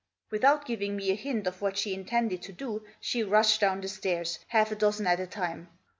Without giving me a hint of what she intended to do she rushed down the stairs, half a dozen at a time.